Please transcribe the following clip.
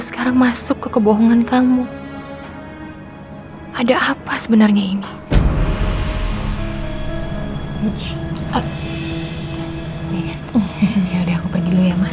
sekarang masuk ke kebohongan kamu ada apa sebenarnya ini ada aku pergi dulu ya mas